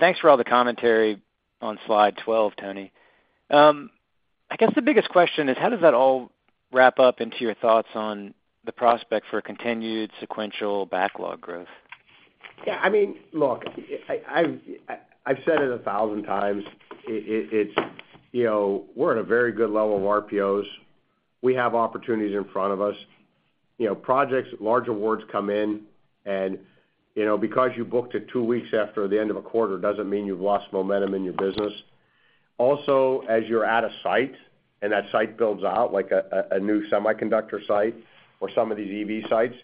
Thanks for all the commentary on Slide 12, Tony. I guess the biggest question is: how does that all wrap up into your thoughts on the prospect for continued sequential backlog growth? Yeah, I mean, look, I've said it 1,000 times: it's, you know, we're at a very good level of RPOs. We have opportunities in front of us. You know, projects, large awards come in, and, you know, because you booked it two weeks after the end of a quarter, doesn't mean you've lost momentum in your business. Also, as you're at a site and that site builds out, like a new semiconductor site or some of these EV sites,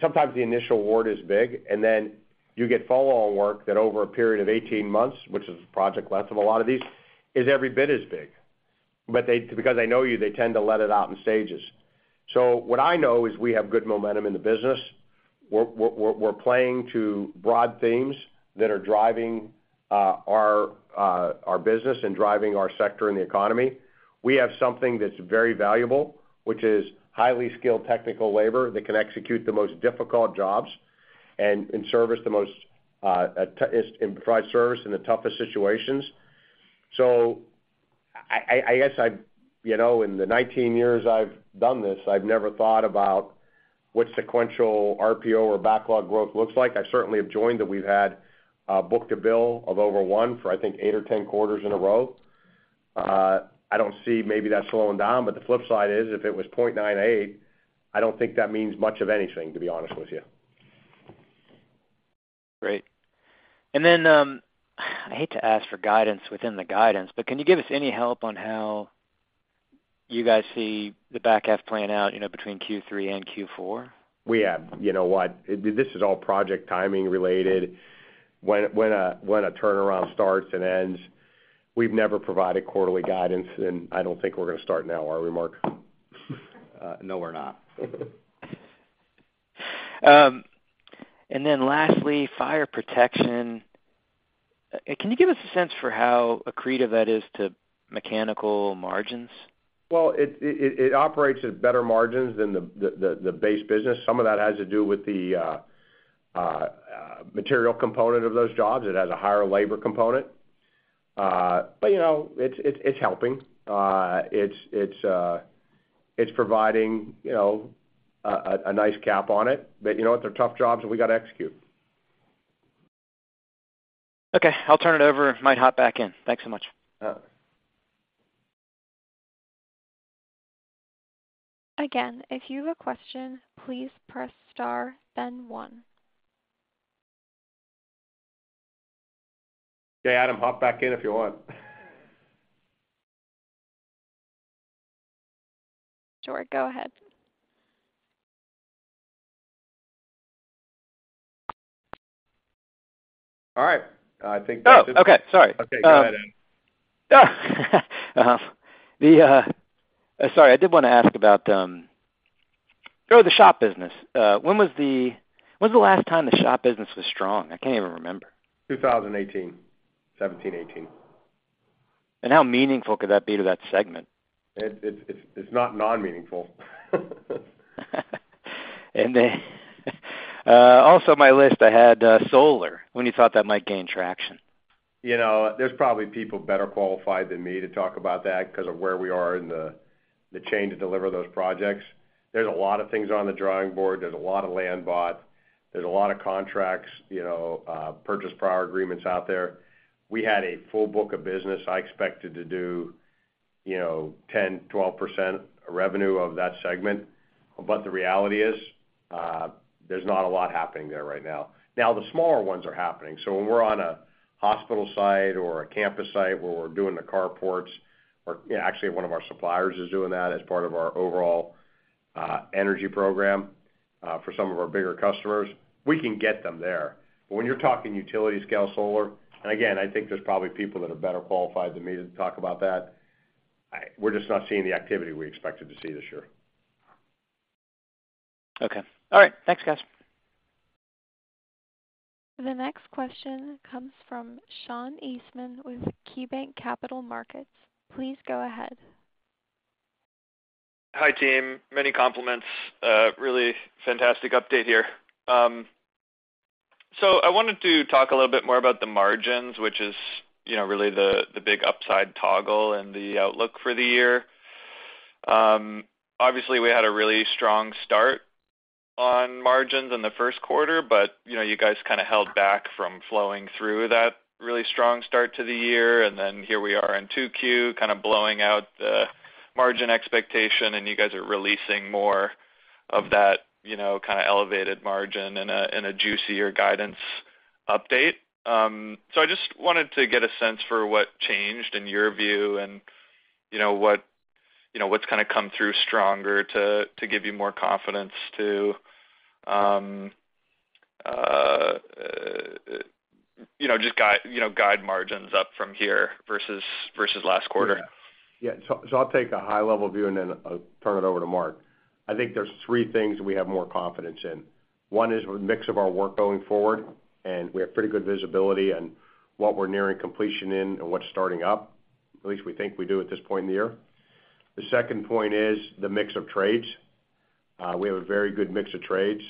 sometimes the initial award is big, and then you get follow-on work that over a period of 18 months, which is the project length of a lot of these, is every bit as big. They, because they know you, they tend to let it out in stages. What I know is we have good momentum in the business. We're playing to broad themes that are driving our business and driving our sector and the economy. We have something that's very valuable, which is highly skilled technical labor that can execute the most difficult jobs and service the most and provide service in the toughest situations. I guess I've. You know, in the 19 years I've done this, I've never thought about what sequential RPO or backlog growth looks like. I certainly have joined that we've had book-to-bill of over 1 for, I think, 8 or 10 quarters in a row. I don't see maybe that slowing down, but the flip side is, if it was 0.98, I don't think that means much of anything, to be honest with you. Great. I hate to ask for guidance within the guidance, but can you give us any help on how you guys see the back half playing out, you know, between Q3 and Q4? You know what? This is all project timing related. When a turnaround starts and ends, we've never provided quarterly guidance, and I don't think we're gonna start now, are we, Mark? No, we're not. Lastly, fire protection. Can you give us a sense for how accretive that is to mechanical margins? Well, it operates at better margins than the base business. Some of that has to do with the material component of those jobs. It has a higher labor component. You know, it's helping. It's providing, you know, a nice cap on it. You know what? They're tough jobs, and we got to execute. Okay, I'll turn it over. Might hop back in. Thanks so much, uh. Again, if you have a question, please press star, then one. Hey, Adam, hop back in if you want. Sure. Go ahead. All right. I think that's it. Oh, okay. Sorry. Okay, go ahead, Adam. The... sorry, I did want to ask about the shop business. When was the last time the shop business was strong? I can't even remember. 2018. '17, '18. How meaningful could that be to that segment? It's not non-meaningful. Also on my list, I had solar. When you thought that might gain traction? You know, there's probably people better qualified than me to talk about that because of where we are in the, the chain to deliver those projects. There's a lot of things on the drawing board. There's a lot of land bought. There's a lot of contracts, you know, purchase power agreements out there. We had a full book of business. I expected to do, you know, 10%-12% revenue of that segment, but the reality is, there's not a lot happening there right now. Now, the smaller ones are happening, so when we're on a hospital site or a campus site where we're doing the carports, or actually, one of our suppliers is doing that as part of our overall energy program, for some of our bigger customers, we can get them there. When you're talking utility-scale solar, and again, I think there's probably people that are better qualified than me to talk about that, we're just not seeing the activity we expected to see this year. Okay. All right. Thanks, guys. The next question comes from Sean Eastman with KeyBanc Capital Markets. Please go ahead. Hi, team. Many compliments. Really fantastic update here. I wanted to talk a little bit more about the margins, which is, you know, really the, the big upside toggle and the outlook for the year. Obviously, we had a really strong start on margins in the Q1, but, you know, you guys kind of held back from flowing through that really strong start to the year. Here we are in 2Q, kind of blowing out the margin expectation, and you guys are releasing more of that, you know, kind of elevated margin in a, in a juicier guidance update. I just wanted to get a sense for what changed in your view and, you know, what, you know, what's kind of come through stronger to give you more confidence to, you know, just guide, you know, guide margins up from here versus last quarter? Yeah. I'll take a high-level view and then I'll turn it over to Mark. I think there's three things we have more confidence in. One is the mix of our work going forward, and we have pretty good visibility on what we're nearing completion in and what's starting up. At least we think we do at this point in the year. The second point is the mix of trades. We have a very good mix of trades.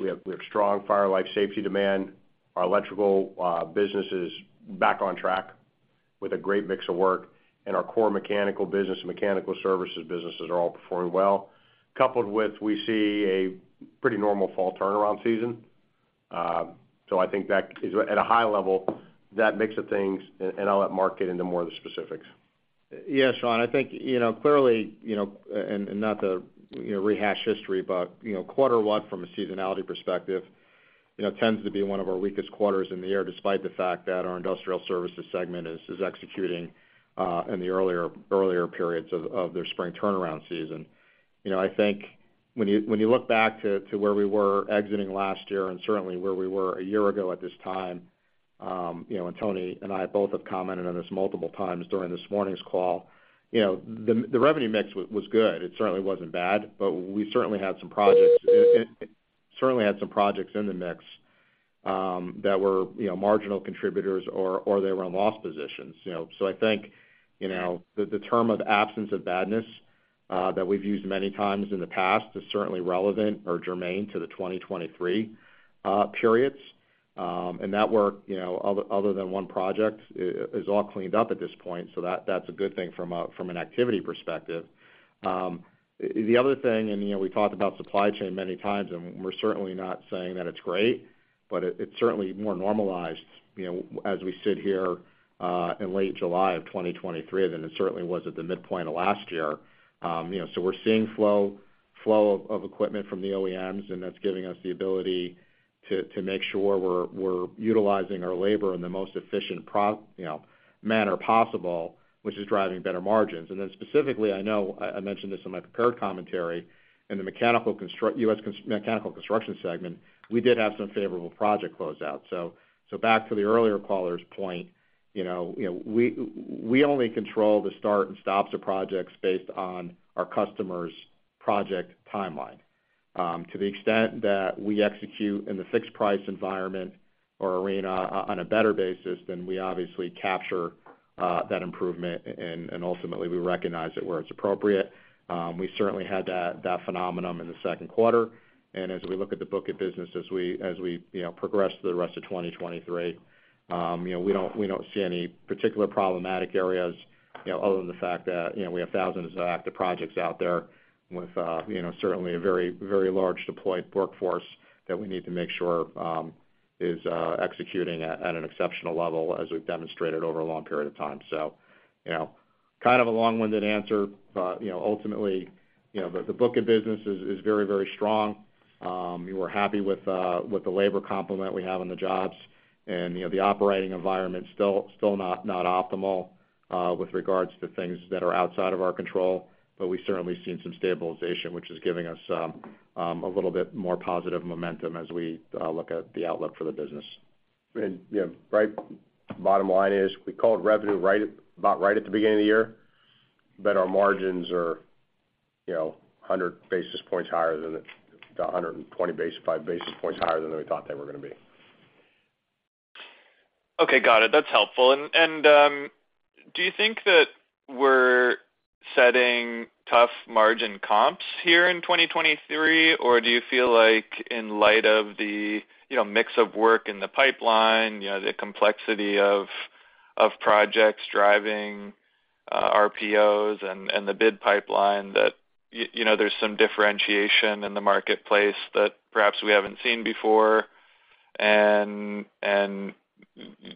We have strong fire life safety demand. Our electrical business is back on track with a great mix of work, and our core mechanical business and mechanical services businesses are all performing well, coupled with we see a pretty normal fall turnaround season. I think that is at a high level, that mix of things, and I'll let Mark get into more of the specifics. Yeah, Sean, I think, you know, clearly, you know, and not to, you know, rehash history, but, you know, 1Q from a seasonality perspective, you know, tends to be one of our weakest quarters in the year, despite the fact that our Industrial Services segment is executing in the earlier periods of their spring turnaround season. You know, I think when you, when you look back to where we were exiting last year and certainly where we were a year ago at this time, you know, and Tony and I both have commented on this multiple times during this morning's call, you know, the revenue mix was good. It certainly wasn't bad, we certainly had some projects in the mix, that were, you know, marginal contributors or, or they were in loss positions, you know. I think, you know, the, the term of absence of badness that we've used many times in the past is certainly relevant or germane to the 2023 periods. That work, you know, other, other than one project, is all cleaned up at this point, so that, that's a good thing from an activity perspective. The other thing, and, you know, we talked about supply chain many times, and we're certainly not saying that it's great, but it, it's certainly more normalized, you know, as we sit here, in late July of 2023, than it certainly was at the midpoint of last year. You know, we're seeing flow, flow of equipment from the OEMs, and that's giving us the ability to make sure we're utilizing our labor in the most efficient you know, manner possible, which is driving better margins. Then specifically, I know I mentioned this in my prepared commentary, in the U.S. Mechanical Construction segment, we did have some favorable project closeout. Back to the earlier caller's point, we only control the start and stops of projects based on our customer's project timeline. To the extent that we execute in the fixed price environment or arena on a better basis, then we obviously capture that improvement, and ultimately, we recognize it where it's appropriate. We certainly had that phenomenon in the Q2. As we look at the book of business, as we, you know, progress through the rest of 2023, you know, we don't see any particular problematic areas, you know, other than the fact that, you know, we have thousands of active projects out there with, you know, certainly a very, very large deployed workforce that we need to make sure is executing at an exceptional level as we've demonstrated over a long period of time. You know, kind of a long-winded answer, but, you know, ultimately, you know, the book of business is very, very strong. We're happy with the labor complement we have on the jobs, and, you know, the operating environment's still not optimal with regards to things that are outside of our control. We've certainly seen some stabilization, which is giving us a little bit more positive momentum as we look at the outlook for the business. Yeah, right, bottom line is, we called revenue right, about right at the beginning of the year, but our margins are, you know, 100 basis points higher than the 125 basis points higher than we thought they were gonna be. Okay, got it. That's helpful. Do you think that we're setting tough margin comps here in 2023? Or do you feel like in light of the, you know, mix of work in the pipeline, you know, the complexity of projects driving RPOs and the bid pipeline, that you know, there's some differentiation in the marketplace that perhaps we haven't seen before, and,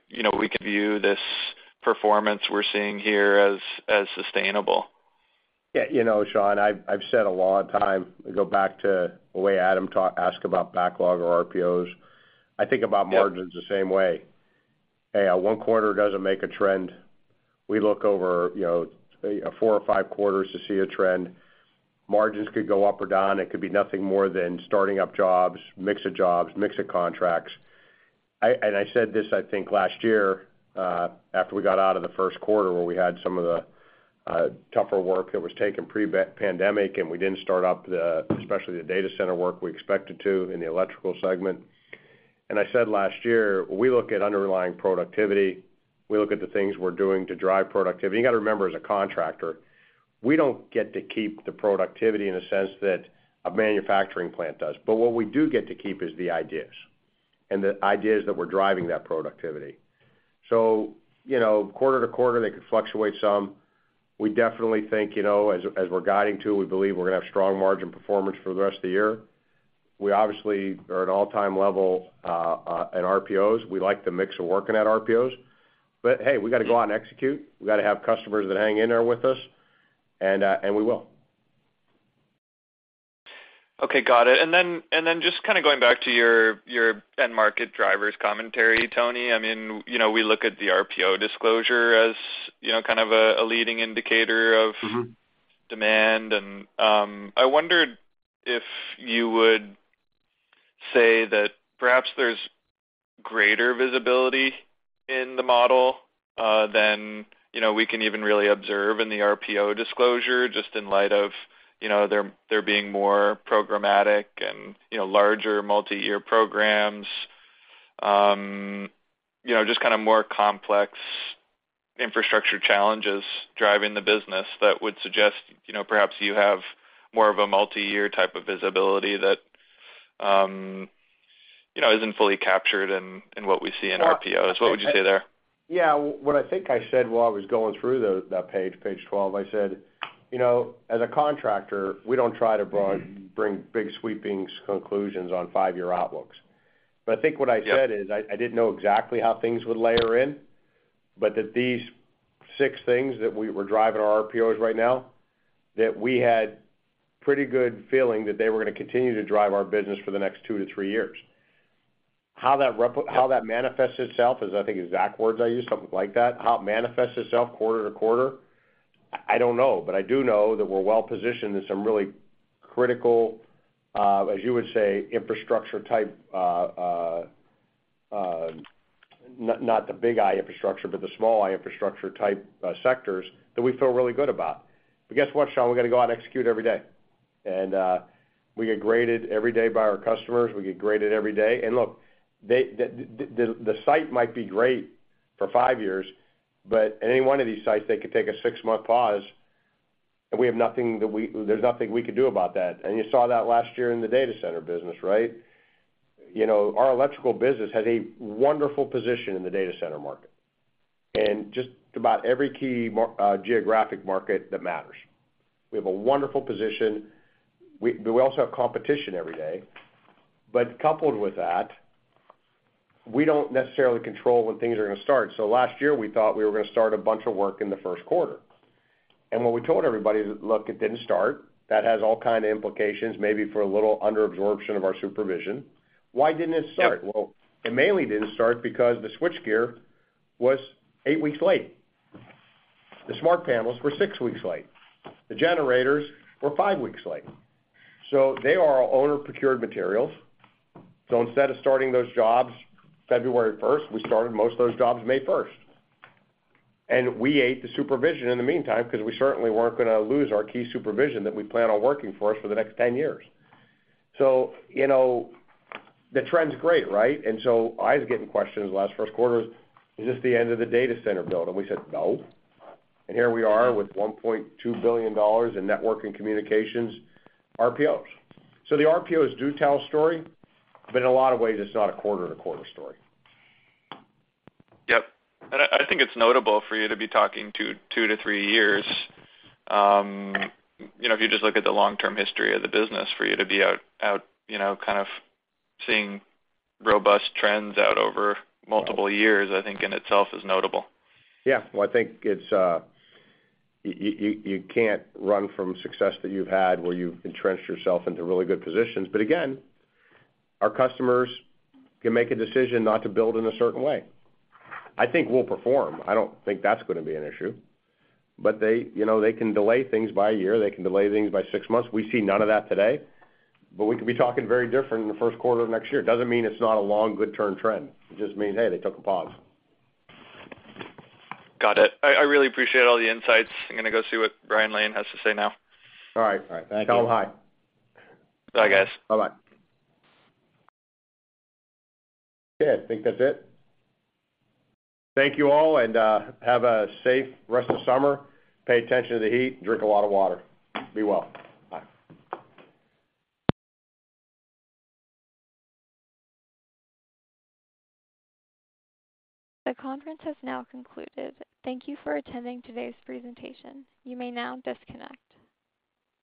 you know, we can view this performance we're seeing here as sustainable? Yeah, you know, Sean, I've said a long time, go back to the way Adam asked about backlog or RPOs. I think about margins the same way. Yep. Hey, one quarter doesn't make a trend. We look over, you know, four or five quarters to see a trend. Margins could go up or down. It could be nothing more than starting up jobs, mix of jobs, mix of contracts. I said this, I think, last year, after we got out of the Q1, where we had some of the tougher work that was taken pre-pandemic, and we didn't start up the, especially the data center work we expected to in the electrical segment. I said last year, we look at underlying productivity. We look at the things we're doing to drive productivity. You gotta remember, as a contractor, we don't get to keep the productivity in the sense that a manufacturing plant does. What we do get to keep is the ideas, and the ideas that we're driving that productivity. You know, quarter to quarter, they could fluctuate some. We definitely think, you know, as we're guiding to, we believe we're gonna have strong margin performance for the rest of the year. We obviously are at an all-time level at RPOs. We like the mix of work in at RPOs. Hey, we gotta go out and execute. We gotta have customers that hang in there with us, and we will. Okay, got it. Just kind of going back to your, your end market drivers commentary, Tony. I mean, you know, we look at the RPO disclosure as, you know, kind of a, a leading indicator of... Mm-hmm. Demand. I wondered if you would say that perhaps there's greater visibility in the model than, you know, we can even really observe in the RPO disclosure, just in light of, you know, there, there being more programmatic and, you know, larger multiyear programs. You know, just kind of more complex infrastructure challenges driving the business that would suggest, you know, perhaps you have more of a multiyear type of visibility that, you know, isn't fully captured in, in what we see in RPOs. What would you say there? Yeah. What I think I said while I was going through that page, page 12, I said, "You know, as a contractor, we don't try to bring big, sweeping conclusions on 5-year outlooks. Yep. I think what I said is, I didn't know exactly how things would layer in, but that these six things that we were driving our RPOs right now, that we had pretty good feeling that they were gonna continue to drive our business for the next two to three years. How that manifests itself is, I think, exact words I used, something like that. How it manifests itself quarter to quarter, I don't know. I do know that we're well positioned in some really critical, as you would say, infrastructure type, not the big I infrastructure, but the small i infrastructure type, sectors that we feel really good about. Guess what, Sean? We've got to go out and execute every day. We get graded every day by our customers. We get graded every day. Look, the site might be great for five years, but any one of these sites, they could take a six-month pause, and we have nothing that there's nothing we could do about that. You saw that last year in the data center business, right? You know, our electrical business has a wonderful position in the data center market, and just about every key geographic market that matters. We have a wonderful position. But we also have competition every day. Coupled with that, we don't necessarily control when things are gonna start. Last year, we thought we were gonna start a bunch of work in the Q1. When we told everybody, look, it didn't start, that has all kind of implications, maybe for a little under absorption of our supervision. Why didn't it start? Yep. Well, it mainly didn't start because the switchgear was 8 weeks late. The smart panels were 6 weeks late. The generators were 5 weeks late. They are all owner-procured materials. Instead of starting those jobs February 1st, we started most of those jobs May 1st. We ate the supervision in the meantime, 'cause we certainly weren't gonna lose our key supervision that we planned on working for us for the next 10 years. You know, the trend's great, right? I was getting questions the last Q1, "Is this the end of the data center build?" We said, "No." Here we are with $1.2 billion in network and communications RPOs. The RPOs do tell a story, but in a lot of ways, it's not a quarter-to-quarter story. Yep. I, I think it's notable for you to be talking 2 to 3 years. You know, if you just look at the long-term history of the business, for you to be out, you know, kind of seeing robust trends out over multiple years, I think in itself is notable. Yeah. Well, I think it's you can't run from success that you've had, where you've entrenched yourself into really good positions. Again, our customers can make a decision not to build in a certain way. I think we'll perform. I don't think that's gonna be an issue. They, you know, they can delay things by a year. They can delay things by six months. We see none of that today, but we could be talking very different in the Q1 of next year. Doesn't mean it's not a long, good term trend. It just means, hey, they took a pause. Got it. I really appreciate all the insights. I'm going to go see what Brian Lane has to say now. All right. All right. Thank you. Tell him hi. Bye, guys. Bye-bye. Okay, I think that's it. Thank you all, and have a safe rest of the summer. Pay attention to the heat, and drink a lot of water. Be well. Bye. The conference has now concluded. Thank you for attending today's presentation. You may now disconnect.